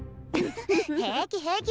平気平気！